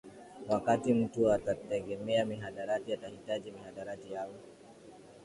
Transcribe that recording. Wakati mtu atategemea mihadarati atahitaji mihadarati au